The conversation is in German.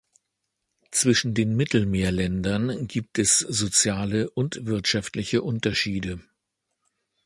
Zwischen den Mittelmeerländern gibt es soziale und wirtschaftliche Unterschiede.